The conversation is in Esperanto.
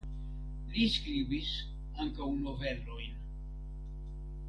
Li skribis ankaŭ novelojn.